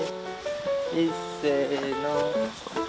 いっせーの。